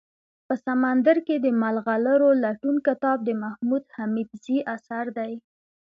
په سمندر کي دملغلرولټون کتاب دمحمودحميدزي اثر دئ